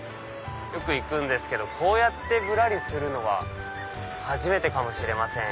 よく行くんですけどこうやってぶらりするのは初めてかもしれません。